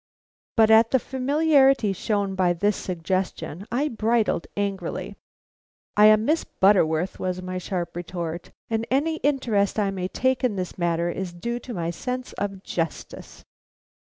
But at the familiarity shown by this suggestion, I bridled angrily. "I am Miss Butterworth," was my sharp retort, "and any interest I may take in this matter is due to my sense of justice."